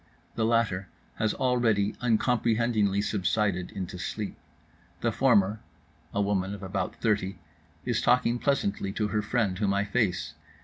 The latter has already uncomprehendingly subsided into sleep. The former (a woman of about thirty) is talking pleasantly to her friend, whom I face.